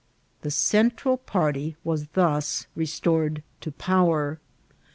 The Central party was thus restored to power.